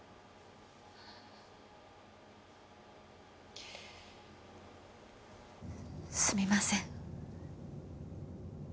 「はあ」すみません。